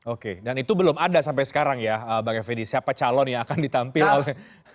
oke dan itu belum ada sampai sekarang ya bang effendi siapa calon yang akan ditampil oleh